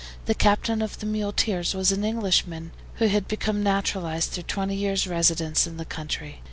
The captain of the muleteers was an Englishman, who had become naturalized through twenty years' residence in the country.